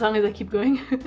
jadi selama saya terus berjalan